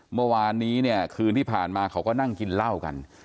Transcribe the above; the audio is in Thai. เมื่อวานนี้เนี่ยคืนที่ผ่านมาเขาก็นั่งกินเหล้ากัน